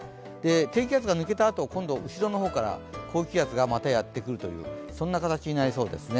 低気圧が抜けたあと、今度、後ろの方から高気圧がまたやってくるというそんな形になりそうですね。